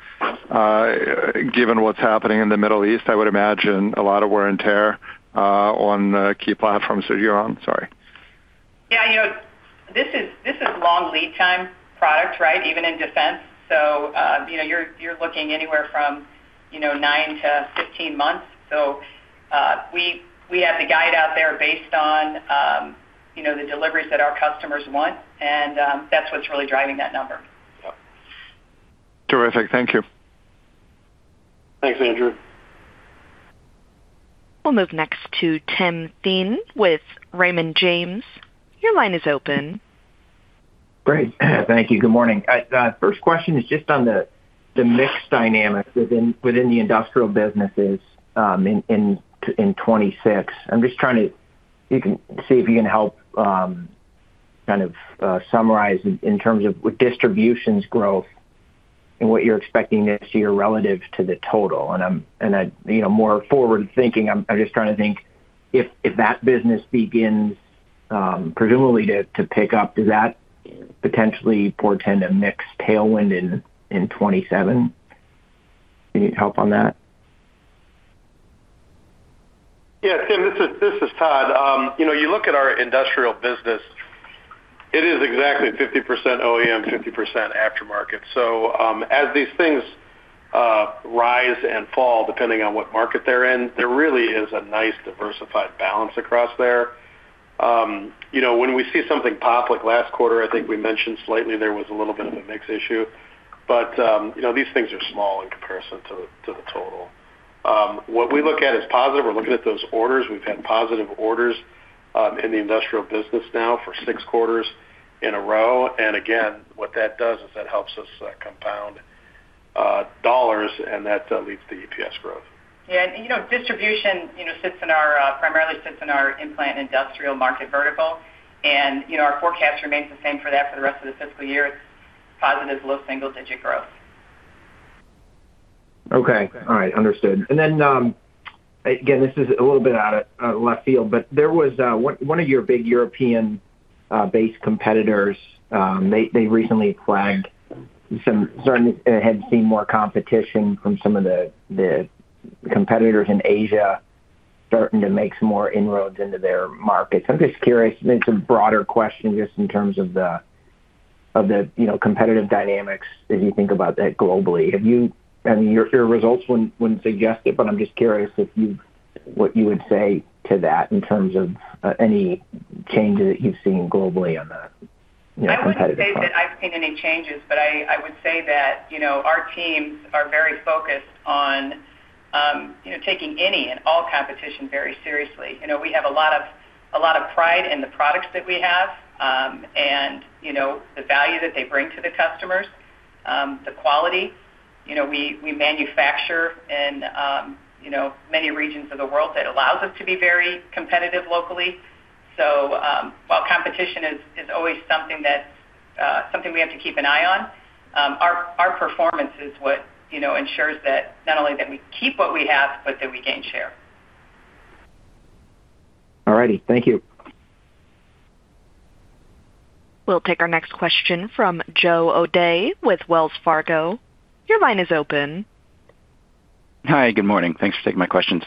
given what's happening in the Middle East? I would imagine a lot of wear and tear on key platforms that you're on. Sorry. Yeah, you know, this is long lead time product, right? Even in defense. You know, you're looking anywhere from, you know, nine to 15 months. We have the guide out there based on, you know, the deliveries that our customers want, and that's what's really driving that number. Terrific. Thank you. Thanks, Andrew. We'll move next to Tim Thein with Raymond James. Your line is open. Great. Thank you. Good morning. First question is just on the mix dynamics within the industrial businesses in 2026. You can see if you can help kind of summarize in terms of with distributions growth and what you're expecting next year relative to the total. I, you know, more forward-thinking, I'm just trying to think if that business begins presumably to pick up, does that potentially portend a mix tailwind in 2027? Any help on that? Yeah, Tim, this is, this is Todd. You know, you look at our industrial business, it is exactly 50% OEM, 50% aftermarket. As these things rise and fall, depending on what market they're in, there really is a nice diversified balance across there. You know, when we see something pop, like last quarter, I think we mentioned slightly there was a little bit of a mix issue. You know, these things are small in comparison to the, to the total. What we look at is positive. We're looking at those orders. We've had positive orders in the industrial business now for six quarters in a row. Again, what that does is that helps us compound dollars, and that leads to EPS growth. Yeah. You know, distribution, you know, sits in our primarily sits in our in-plant and industrial market vertical. You know, our forecast remains the same for that for the rest of the fiscal year. It's positive low single-digit growth. Okay. All right. Understood. Then, again, this is a little bit out of, out of left field, but there was one of your big European based competitors, they recently flagged some had seen more competition from some of the competitors in Asia starting to make some more inroads into their markets. I'm just curious, maybe some broader question just in terms of the, you know, competitive dynamics as you think about that globally. I mean, your results wouldn't suggest it, but I'm just curious what you would say to that in terms of any changes that you've seen globally on the, you know, competitive front. I wouldn't say that I've seen any changes, but I would say that, you know, our teams are very focused on, you know, taking any and all competition very seriously. You know, we have a lot of pride in the products that we have, and, you know, the value that they bring to the customers, the quality. You know, we manufacture in, you know, many regions of the world that allows us to be very competitive locally. While competition is always something that, something we have to keep an eye on, our performance is what, you know, ensures that not only that we keep what we have, but that we gain share. All righty. Thank you. We'll take our next question from Joe O'Dea with Wells Fargo. Your line is open. Hi. Good morning. Thanks for taking my questions.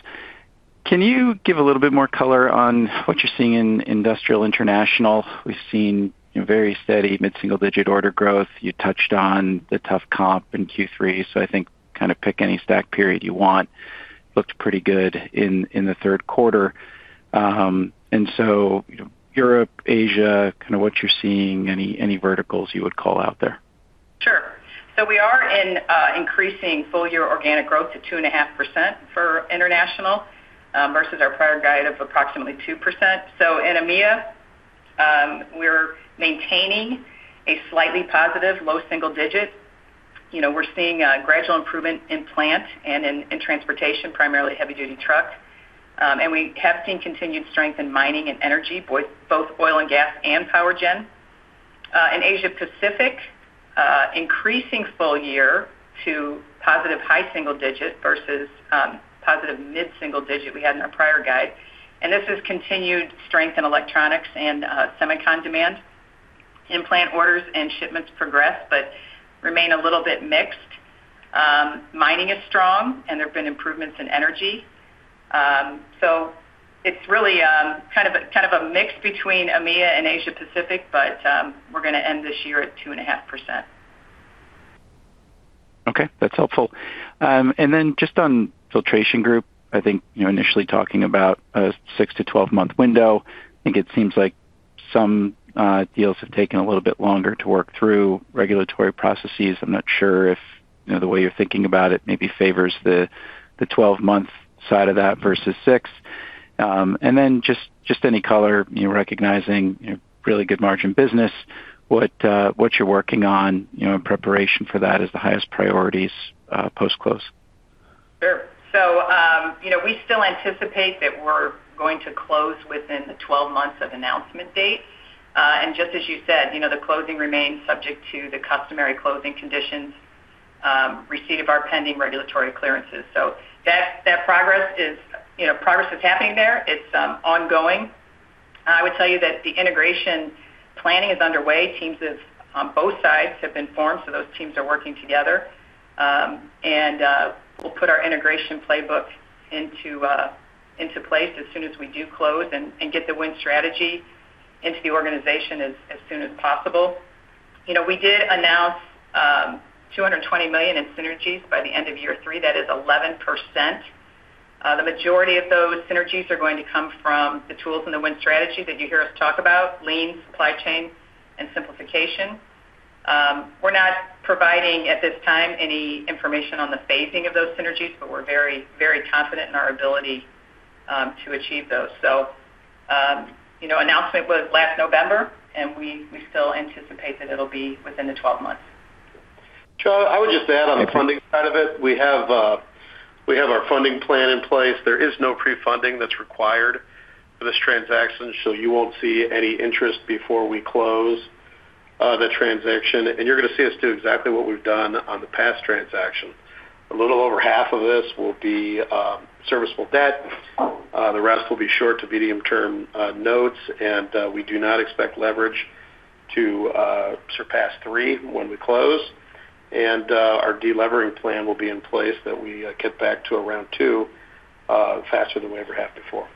Can you give a little bit more color on what you're seeing in Industrial International? We've seen, you know, very steady mid-single-digit order growth. You touched on the tough comp in Q3, so I think kind of pick any stack period you want. Looked pretty good in the third quarter. You know, Europe, Asia, kind of what you're seeing, any verticals you would call out there? Sure. We are increasing full year organic growth to 2.5% for international versus our prior guide of approximately 2%. In EMEA, we're maintaining a slightly positive low single-digit. You know, we're seeing a gradual improvement in in-plant and in transportation, primarily heavy duty truck. We have seen continued strength in mining and energy, both oil and gas and power gen. In Asia Pacific, increasing full year to positive high single-digit versus positive mid-single-digit we had in our prior guide. This is continued strength in electronics and semicon demand. In-plant orders and shipments progress, but remain a little bit mixed. Mining is strong, and there have been improvements in energy. It's really, kind of a mix between EMEA and Asia Pacific, but, we're gonna end this year at 2.5%. Okay. That's helpful. Just on Filtration Group, I think, you know, initially talking about a six to 12-month window, I think it seems like some deals have taken a little bit longer to work through regulatory processes. I'm not sure if, you know, the way you're thinking about it maybe favors the 12-month side of that versus six. Just any color, you know, recognizing, you know, really good margin business, what you're working on, you know, in preparation for that as the highest priorities post-close. Sure. You know, we still anticipate that we're going to close within the 12 months of announcement date. Just as you said, you know, the closing remains subject to the customary closing conditions, receipt of our pending regulatory clearances. That progress is, you know, progress is happening there. It's ongoing. I would tell you that the integration planning is underway. Teams on both sides have been formed, those teams are working together. We'll put our integration playbook into place as soon as we do close and get The Win Strategy into the organization as soon as possible. You know, we did announce $220 million in synergies by the end of year three. That is 11%. The majority of those synergies are going to come from the tools and the Win Strategy that you hear us talk about, lean supply chain and simplification. We're not providing, at this time, any information on the phasing of those synergies, but we're very, very confident in our ability to achieve those. You know, announcement was last November, and we still anticipate that it'll be within the 12 months. Charlie, I would just add on the funding side of it, we have our funding plan in place. There is no pre-funding that's required for this transaction, so you won't see any interest before we close the transaction. You're gonna see us do exactly what we've done on the past transaction. A little over half of this will be serviceable debt. The rest will be short to medium term notes. We do not expect leverage to surpass three when we close. Our de-levering plan will be in place that we get back to around two faster than we ever have before.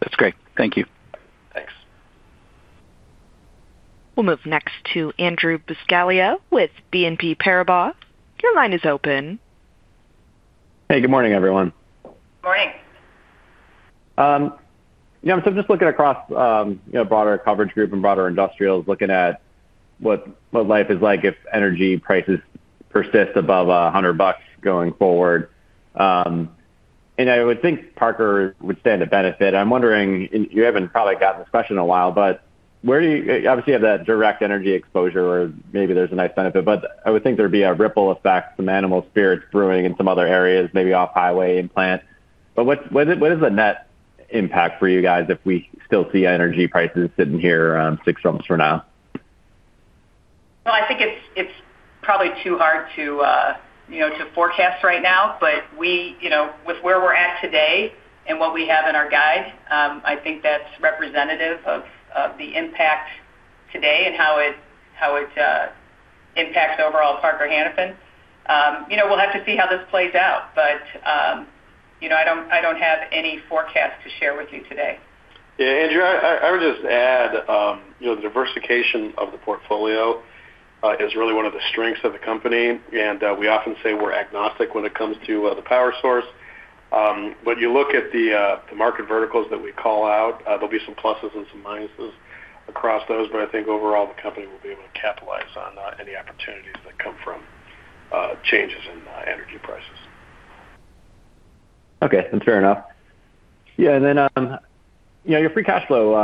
That's great. Thank you. Thanks. We'll move next to Andrew Buscaglia with BNP Paribas. Your line is open. Hey, good morning, everyone. Morning. Just looking across, you know, broader coverage group and broader industrials, looking at what life is like if energy prices persist above $100 going forward. I would think Parker would stand to benefit. I'm wondering, and you haven't probably gotten this question in a while, but where do you, obviously you have that direct energy exposure or maybe there's a nice benefit, but I would think there'd be a ripple effect, some animal spirits brewing in some other areas, maybe off-highway and plant. What is the net impact for you guys if we still see energy prices sitting here around six months from now? Well, I think it's probably too hard to, you know, to forecast right now. We, you know, with where we're at today and what we have in our guide, I think that's representative of the impact today and how it impacts overall Parker-Hannifin. You know, we'll have to see how this plays out. You know, I don't have any forecast to share with you today. Yeah, Andrew, I would just add, you know, the diversification of the portfolio is really one of the strengths of the company. We often say we're agnostic when it comes to the power source. When you look at the market verticals that we call out, there'll be some pluses and some minuses across those, but I think overall the company will be able to capitalize on any opportunities that come from changes in energy prices. Okay. Fair enough. Yeah, and then, you know, your free cash flow,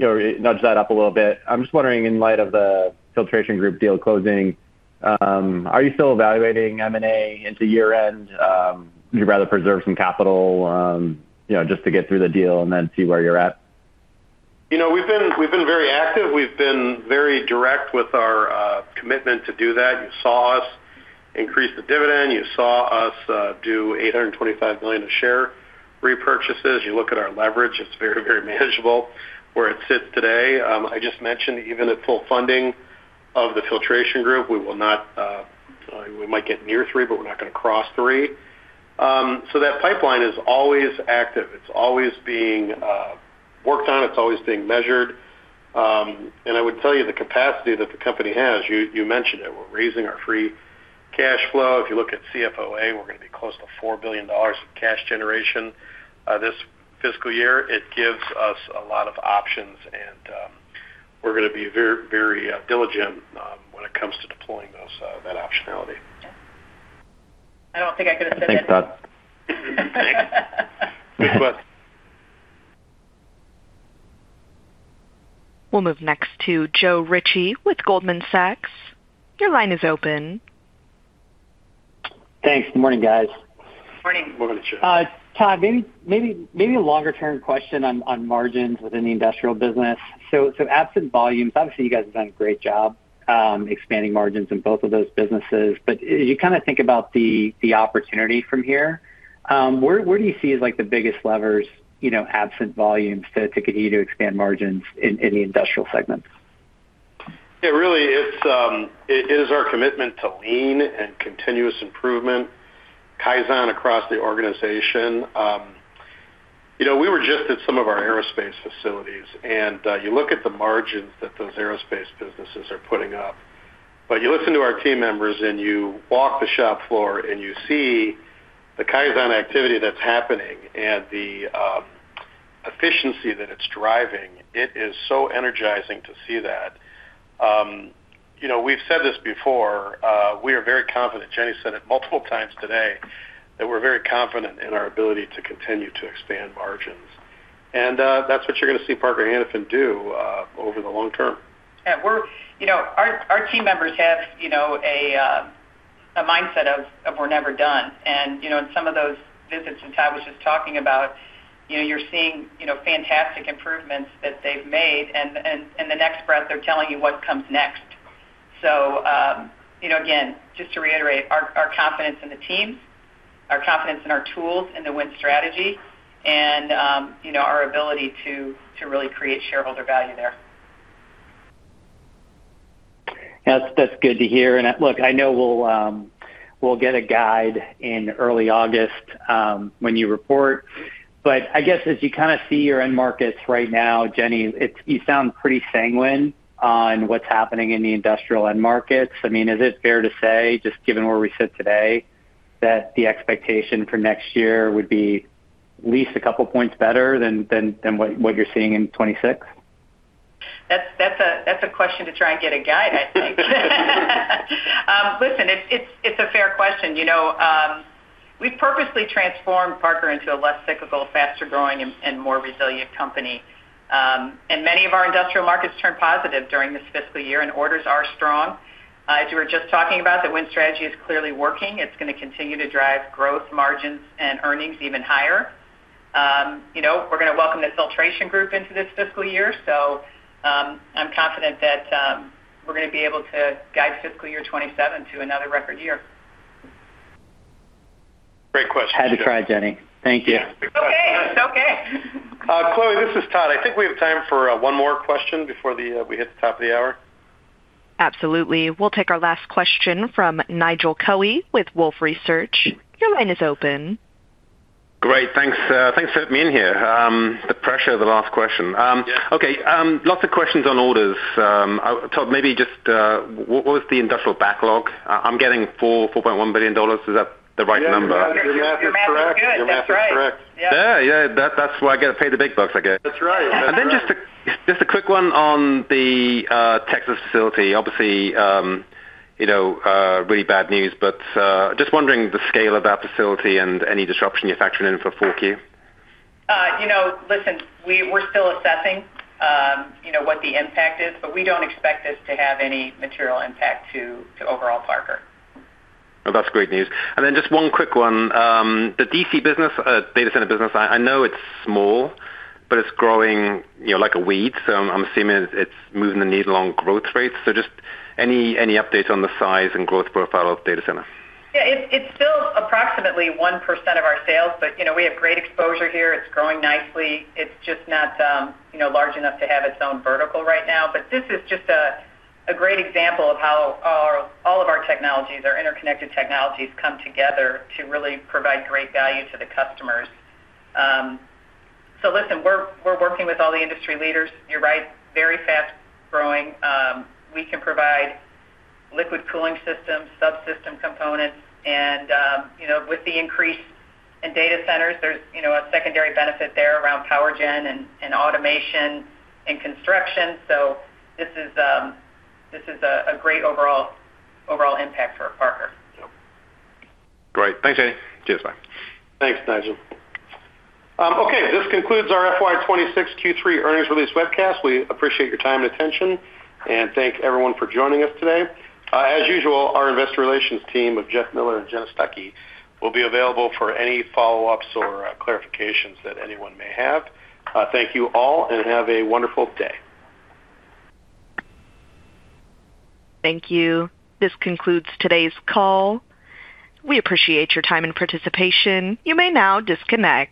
you know, nudge that up a little bit. I'm just wondering, in light of the Filtration Group deal closing, are you still evaluating M&A into year-end? Would you rather preserve some capital, you know, just to get through the deal and then see where you're at? You know, we've been very active. We've been very direct with our commitment to do that. You saw us increase the dividend. You saw us do $825 million of share repurchases. You look at our leverage, it's very manageable where it sits today. I just mentioned even at full funding of the Filtration Group, we will not, we might get near three, but we're not gonna cross three. That pipeline is always active. It's always being worked on. It's always being measured. I would tell you the capacity that the company has, you mentioned it, we're raising our free cash flow. If you look at CFOA, we're gonna be close to $4 billion in cash generation this fiscal year. It gives us a lot of options, and we're gonna be very diligent when it comes to deploying those that optionality. Yeah. I don't think I could have said it. Thanks, Todd. Thanks. Thanks, Buscaglia. We'll move next to Joe Ritchie with Goldman Sachs. Your line is open. Thanks. Good morning, guys. Morning. Morning, Joe. Todd, maybe a longer-term question on margins within the industrial business. Absent volumes, obviously you guys have done a great job expanding margins in both of those businesses. As you kinda think about the opportunity from here, where do you see as like the biggest levers, you know, absent volumes to continue to expand margins in the industrial segments? Really, it's, it is our commitment to lean and continuous improvement, Kaizen across the organization. You know, we were just at some of our aerospace facilities, and you look at the margins that those aerospace businesses are putting up. You listen to our team members and you walk the shop floor and you see the Kaizen activity that's happening and the efficiency that it's driving, it is so energizing to see that. You know, we've said this before, we are very confident. Jenny said it multiple times today, that we're very confident in our ability to continue to expand margins. That's what you're gonna see Parker Hannifin do over the long term. Yeah, you know, our team members have, you know, a mindset of we're never done. You know, in some of those visits that Todd was just talking about, you know, you're seeing, you know, fantastic improvements that they've made, and the next breath they're telling you what comes next. You know, again, just to reiterate our confidence in the teams, our confidence in our tools and The Win Strategy and, you know, our ability to really create shareholder value there. That's, that's good to hear. Look, I know we'll get a guide in early August when you report. I guess as you kind of see your end markets right now, Jenny, you sound pretty sanguine on what's happening in the industrial end markets. I mean, is it fair to say, just given where we sit today, that the expectation for next year would be at least a couple points better than what you're seeing in 2026? That's a question to try and get a guide, I think. Listen, it's a fair question. You know, we've purposely transformed Parker into a less cyclical, faster-growing and more resilient company. Many of our industrial markets turned positive during this fiscal year, and orders are strong. As you were just talking about, The Win Strategy is clearly working. It's gonna continue to drive growth margins and earnings even higher. You know, we're gonna welcome the Filtration Group into this fiscal year, so I'm confident that we're gonna be able to guide fiscal year 2027 to another record year. Great question. Had to try, Jenny. Thank you. Yeah. It's okay. It's okay. Chloe, this is Todd. I think we have time for one more question before we hit the top of the hour. Absolutely. We'll take our last question from Nigel Coe with Wolfe Research. Your line is open. Great. Thanks. Thanks for letting me in here. The pressure of the last question. Yeah. Lots of questions on orders. Todd, maybe just, what was the industrial backlog? I'm getting $4.1 billion. Is that the right number? Yeah. Your math is correct. Your math is good. That's right. Your math is correct. Yeah. Yeah, yeah. That, that's why I get paid the big bucks, I guess. That's right. That's right. Just a quick one on the Texas facility. Obviously, you know, really bad news, but just wondering the scale of that facility and any disruption you're factoring in for Q4. You know, listen, we're still assessing, you know, what the impact is, but we don't expect this to have any material impact to overall Parker. Oh, that's great news. Just one quick one. The D.C. business, data center business, I know it's small, but it's growing, you know, like a weed, so I'm assuming it's moving the needle on growth rates. Just any updates on the size and growth profile of data center? Yeah, it's still approximately 1% of our sales. You know, we have great exposure here. It's growing nicely. It's just not, you know, large enough to have its own vertical right now. This is just a great example of how all of our technologies, our interconnected technologies come together to really provide great value to the customers. Listen, we're working with all the industry leaders. You're right, very fast-growing. We can provide liquid cooling systems, subsystem components. You know, with the increase in data centers, there's, you know, a secondary benefit there around power gen and automation and construction. This is a great overall impact for Parker. Yep. Great. Thanks, Jenny. Cheers. Bye. Thanks, Nigel. Okay. This concludes our FY 2026 Q3 earnings release webcast. We appreciate your time and attention, thank everyone for joining us today. As usual, our investor relations team of Jeff Miller and Jenna Stucky will be available for any follow-ups or clarifications that anyone may have. Thank you all, have a wonderful day. Thank you. This concludes today's call. We appreciate your time and participation. You may now disconnect.